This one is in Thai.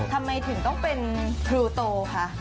ทำไมถึงต้องเป็นครูโตคะ